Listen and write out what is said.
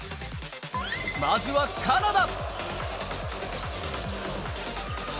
まずはカナダ。